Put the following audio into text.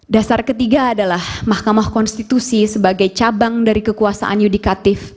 dasar ketiga adalah mahkamah konstitusi sebagai cabang dari kekuasaan yudikatif